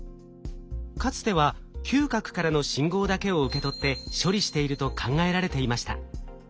かつては嗅覚からの信号だけを受け取って処理していると考えられていました。